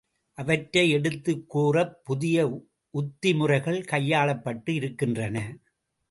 அவற்றை எடுத்துக் கூறப் புதிய உத்திமுறைகள் கையாளப்பட்டு இருக்கின்றன.